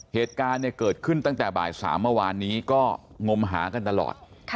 เหตุการณ์เนี่ยเกิดขึ้นตั้งแต่บ่าย๓เมื่อวานนี้ก็งมหากันตลอด